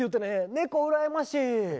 猫うらやましい。